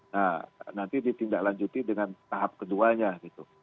nah nanti ditindaklanjuti dengan tahap keduanya gitu